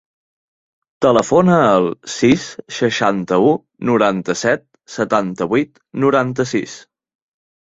Telefona al sis, seixanta-u, noranta-set, setanta-vuit, noranta-sis.